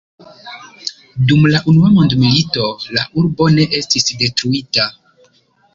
Dum la unua mondmilito la urbo ne estis detruita.